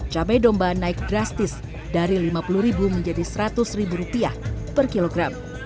cabai domba naik drastis dari rp lima puluh menjadi rp seratus per kilogram